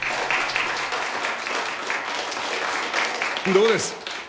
どうです？